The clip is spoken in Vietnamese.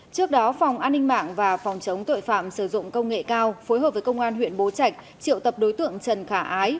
trước đó phòng an ninh mạng và phòng chống tội phạm sử dụng công nghệ cao phối hợp với công an huyện bố trạch triệu tập đối tượng trần khả ái